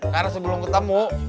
karena sebelum ketemu